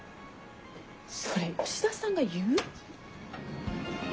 それ吉田さんが言う？